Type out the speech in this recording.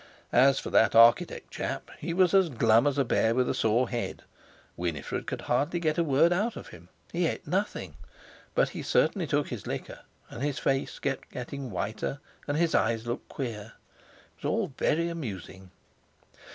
As for that architect chap, he was as glum as a bear with a sore head—Winifred could barely get a word out of him; he ate nothing, but he certainly took his liquor, and his face kept getting whiter, and his eyes looked queer. It was all very amusing.